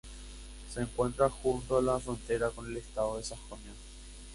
Se encuentra junto a la frontera con el estado de Sajonia.